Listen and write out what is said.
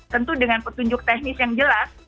tentu dengan petunjuk teknis yang jelas